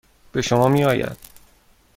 به شما میآید.